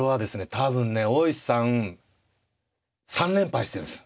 多分ね大石さん３連敗してるんです丸山さんに。